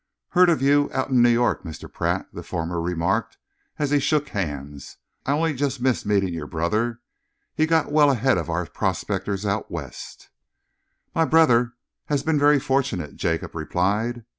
"Heard of you out in New York, Mr. Pratt," the former remarked, as he shook hands. "I only just missed meeting your brother. He got well ahead of our prospectors, out West." "My brother has been very fortunate," Jacob replied.